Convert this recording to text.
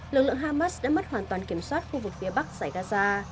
lực lượng hamas đã mất hoàn toàn kiểm soát khu vực phía bắc giải gaza